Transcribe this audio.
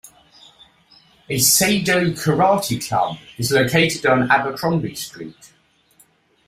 A Seido Karate club is located on Abercrombie Street.